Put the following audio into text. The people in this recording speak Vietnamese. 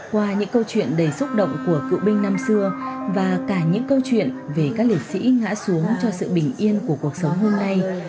qua những câu chuyện đầy xúc động của cựu binh năm xưa và cả những câu chuyện về các liệt sĩ ngã xuống cho sự bình yên của cuộc sống hôm nay